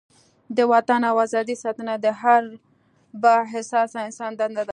د وطن او ازادۍ ساتنه د هر با احساسه انسان دنده ده.